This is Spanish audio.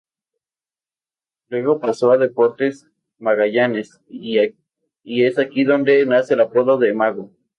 Luego pasó a Deportes Magallanes y es aquí donde nace el apodo de "Mago".